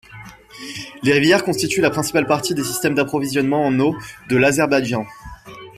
Les rivières constituent la principale partie des systèmes d'approvisionnement en eau de l'Azerbaïdjan.